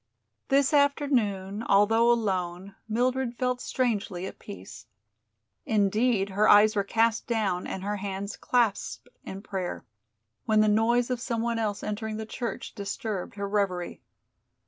This afternoon, although alone, Mildred felt strangely at peace. Indeed, her eyes were cast down and her hands clasped in prayer, when the noise of some one else entering the church disturbed her reverie.